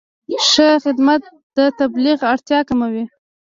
ښه خدمت د تبلیغ اړتیا کموي.